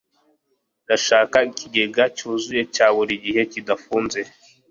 Ndashaka ikigega cyuzuye cya buri gihe kidafunze.